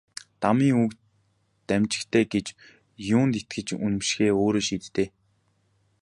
Дамын үг дамжигтай гэж юунд итгэж үнэмшихээ өөрөө шийд дээ.